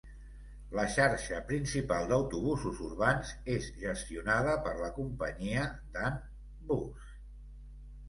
La xarxa principal d'autobusos urbans és gestionada per la companyia Dan Bus.